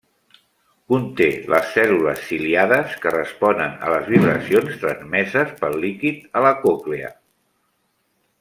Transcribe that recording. Conté les cèl·lules ciliades que responen a les vibracions transmeses pel líquid a la còclea.